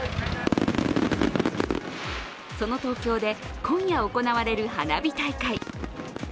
その東京で今夜行われる花火大会。